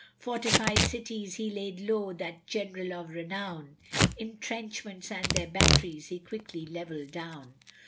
Fortified cities he laid low, that general of renown, Intrenchments and their batteries he quickly levelled down.